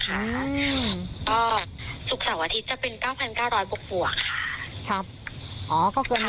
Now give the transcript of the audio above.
ก็ศุกร์สัปดาห์อาทิตย์จะเป็น๙๙๐๐บุกบวกค่ะ